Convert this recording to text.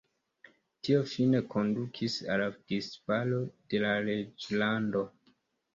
Tio fine kondukis al la disfalo de la reĝlando.